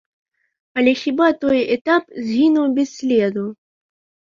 Але хіба той этап згінуў без следу?